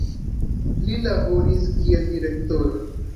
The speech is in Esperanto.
Li laboris kiel direktoro.